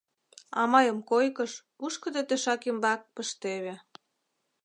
А мыйым койкыш, пушкыдо тӧшак ӱмбак, пыштеве.